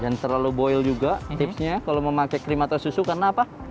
jangan terlalu boil juga tipsnya kalau mau pakai krim atau susu karena apa